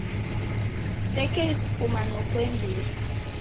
Kusekeisukuma noko imbiri.